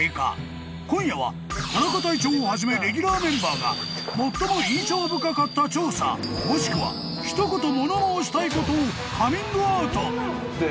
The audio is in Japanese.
［はじめレギュラーメンバーが最も印象深かった調査もしくは一言物申したいことをカミングアウト］